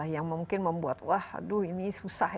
yang mungkin membuat wah aduh ini susah